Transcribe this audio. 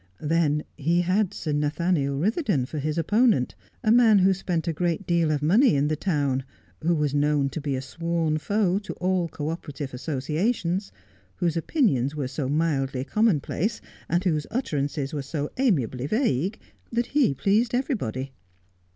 Then he had Sir Nathaniel Ritlierdon for his opponent, a man who spent a great deal of money in the town, who was known to be a sworn foe to all co operative associations, whose opinions were so mildly commonplace, and whose utterances were *o Wilis tied doivn the Wind. 161 amiably vague that he pleased everybody.